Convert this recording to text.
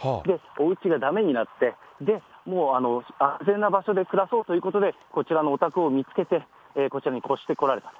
おうちがだめになって、で、もう、安全な場所で暮らそうということで、こちらのお宅を見つけて、こちらに越してこられた。